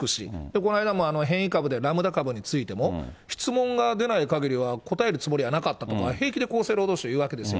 この間も変異株で、ラムダ株についても、質問が出ないかぎりは答えるつもりはなかったとか、平気で厚生労働省言うわけですよ。